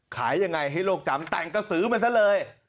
ขายยังไงให้โลกจำแต่งกระสือมันซะเลย